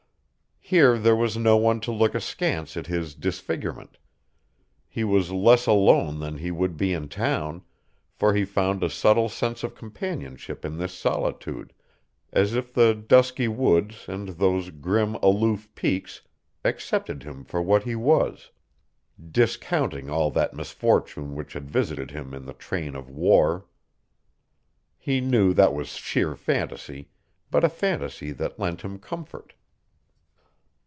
Here there was no one to look askance at his disfigurement. He was less alone than he would be in town, for he found a subtle sense of companionship in this solitude, as if the dusky woods and those grim, aloof peaks accepted him for what he was, discounting all that misfortune which had visited him in the train of war. He knew that was sheer fantasy, but a fantasy that lent him comfort.